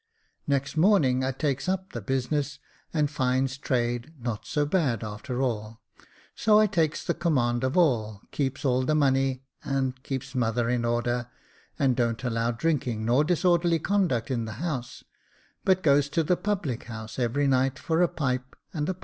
Next morning I takes up the business, and finds trade not so bad after all ; so I takes the command of all, keeps all the money, and keeps mother in order ; and don't allow drinking nor disorderly conduct in the house j but goes to the public house every night for a pipe and a pot.